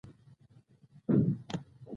یو لوی ملت.